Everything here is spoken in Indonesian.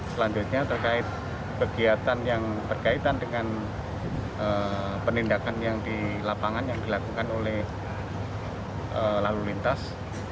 selanjutnya terkait kegiatan yang berkaitan dengan penindakan yang dilakukan oleh lalu lintas